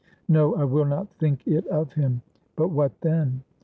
No, I will not think it of him. But what then?